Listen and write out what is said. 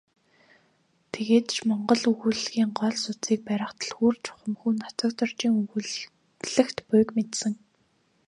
Тэгээд ч монгол өгүүллэгийн гол судсыг барих түлхүүр чухамхүү Нацагдоржийн өгүүллэгт буйг мэдсэн.